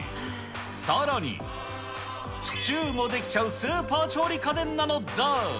さらに、シチューもできちゃうスーパー調理家電なのだ。